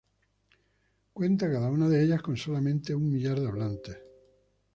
Cuentan cada una de ellas con solamente un millar de hablantes.